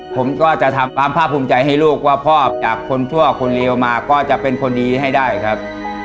ผมก็จะทำความภาคภูมิใจให้ลูกว่าพ่อจากคนชั่วคนเลวมาก็จะเป็นคนดีให้ได้ครับ